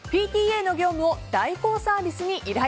ＰＴＡの業務を代行サービスに依頼。